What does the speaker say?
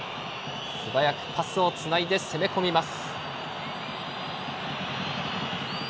素早くパスをつないで攻め込みます。